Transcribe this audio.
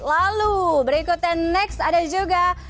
lalu berikutnya next ada juga